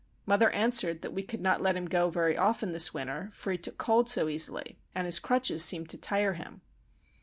Mother answered that we could not let him go very often this winter, for he took cold so easily, and his crutches seemed to tire him.